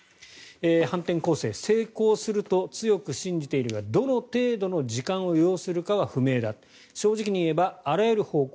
反転攻勢成功すると強く信じているがどの程度の時間を要するかは不明だ正直に言えばあらゆる方向